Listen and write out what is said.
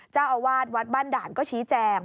เจ้าอาวาสวัดบ้านด่านก็ชี้แจง